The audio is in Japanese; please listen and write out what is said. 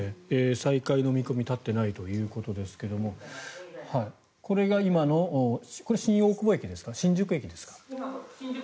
再開の見込みは立っていないということですがこれが今の新宿駅ですね。